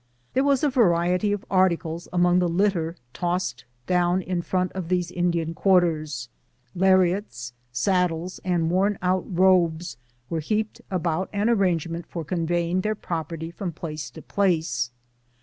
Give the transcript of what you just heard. There was a variety of articles among the litter tossed down in front of these Indian quarters; lariates, saddles, and worn out robes were heaped about an arrangement for conveying their property from place to place.